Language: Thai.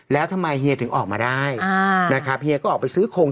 แล้วทำไมเฮียถึงออกมาได้นะครับเฮียก็ออกไปซื้อโครง